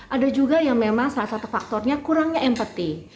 ada juga yang memang salah satu faktornya kurangnya empati